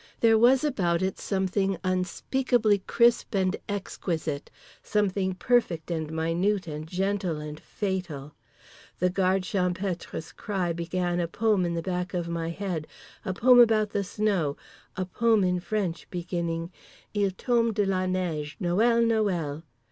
There was about it something unspeakably crisp and exquisite, something perfect and minute and gentle and fatal…. The Guard Champêtre's cry began a poem in the back of my head, a poem about the snow, a poem in French, beginning _Il tombe de la neige, Noël, Noël.